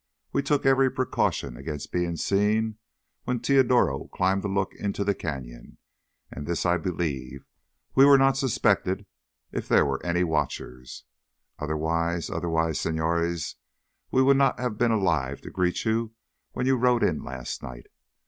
"We took every precaution against being seen when Teodoro climbed to look into the canyon. And—this I believe—we were not suspected if there was any watcher. Otherwise, otherwise, señores, we would not have been alive to greet you when you rode in last night!